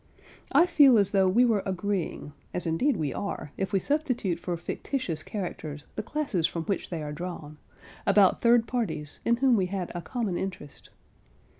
I feel as though we were agreeing—as indeed we are, if we substitute for fictitious characters the classes from which they are drawn—about third parties, in whom we had a common interest.